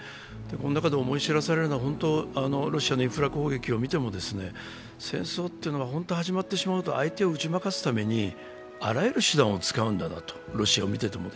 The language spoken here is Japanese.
思い知らされるのはロシアのインフラ攻撃を見ても、戦争というのは始まってしまうと相手を打ち負かすためにあらゆる手段を使うんだなとロシアを見てても。